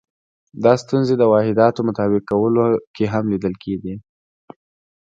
دا ستونزې د واحداتو مطابق کولو کې هم لیدل کېدې.